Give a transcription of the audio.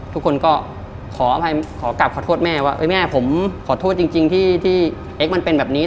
ทุกคนก็ขอกลับขอโทษแม่ว่าแม่ผมขอโทษจริงที่เอ็กซมันเป็นแบบนี้